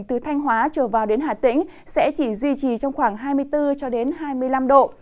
từ thanh hóa trở vào đến hà tĩnh sẽ chỉ duy trì trong khoảng hai mươi bốn cho đến hai mươi năm độ